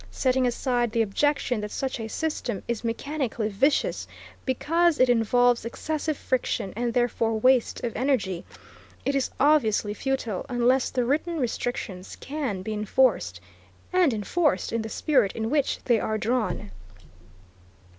Setting aside the objection that such a system is mechanically vicious because it involves excessive friction and therefore waste of energy, it is obviously futile unless the written restrictions can be enforced, and enforced in the spirit in which they are drawn.